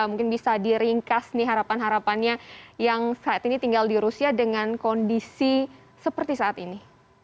mungkin bisa diringkas nih harapan harapannya yang saat ini tinggal di rusia dengan kondisi seperti saat ini